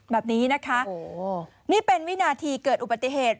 แบบนี้นะคะนี่เป็นวินาทีเกิดอุบัติเหตุ